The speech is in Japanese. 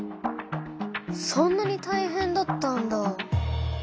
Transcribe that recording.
そんなにたいへんだったんだ。